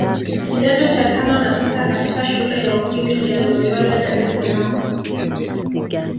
kidato cha tano na sita katika shule ya upili ya Loyola Dar es Salaam